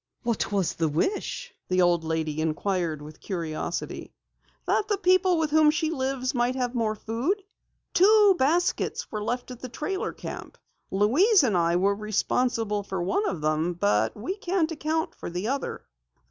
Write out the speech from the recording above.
"What was the wish?" the old lady inquired with curiosity. "That the people with whom she lives might have more food. Two baskets were left at the trailer camp. Louise and I were responsible for one of them, but we can't account for the other."